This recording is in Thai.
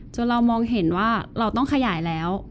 เรามองเห็นว่าเราต้องขยายแล้ว